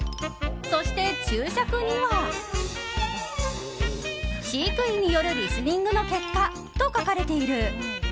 そして、注釈には「飼育員によるリスニングの結果」と書かれている。